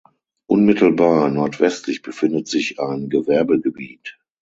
Unmittelbar nordwestlich befindet sich ein Gewerbegebiet.